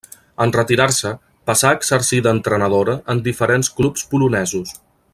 En retirar-se passà a exercir d'entrenadora en diferents clubs polonesos.